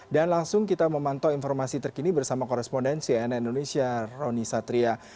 dan langsung kita memantau informasi terkini bersama korespondensi ana indonesia rony satria